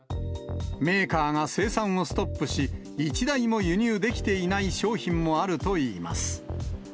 メーカーが生産をストップし、一台も輸入できていない商品もあるといいます。